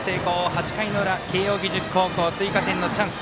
８回の裏、慶応義塾高校追加点のチャンス。